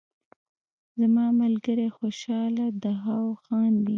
زما ملګری خوشحاله دهاو خاندي